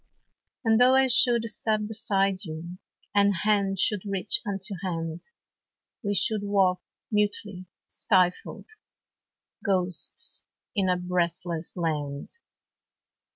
And though I should step beside you, And hand should reach unto hand, We should walk mutely stifled Ghosts in a breathless land.